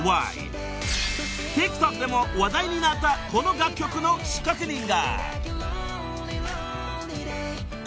［ＴｉｋＴｏｋでも話題になったこの楽曲の仕掛け人が］